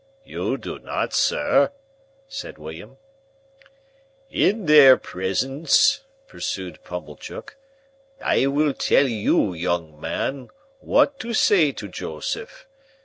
"You do not, sir," said William. "In their presence," pursued Pumblechook, "I will tell you, young man, what to say to Joseph.